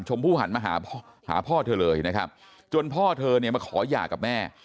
ผู้หันมาหาพ่อเธอเลยนะครับจนพ่อเธอเนี่ยมาขอหย่ากับแม่